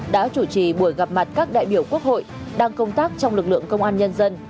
đã chủ trì buổi gặp mặt các đại biểu quốc hội đang công tác trong lực lượng công an nhân dân